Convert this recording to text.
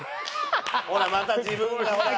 ほらまた自分がほら。